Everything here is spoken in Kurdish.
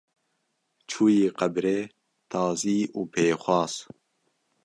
Çûyî qebrê tazî û pêxwas